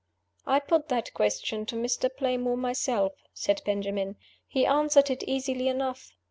"I put that question to Mr. Playmore myself," said Benjamin. "He answered it easily enough.